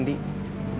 jadi aku mau pulang